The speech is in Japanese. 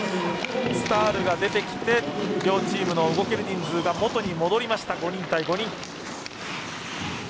スタールが出てきて両チームの動ける人数が元に戻りました、５人対５人。